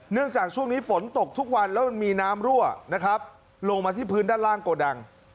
จากช่วงนี้ฝนตกทุกวันแล้วมันมีน้ำรั่วนะครับลงมาที่พื้นด้านล่างโกดัง